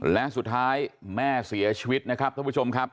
และสุดท้ายแม่เสียชีวิตนะครับท่านผู้ชมครับ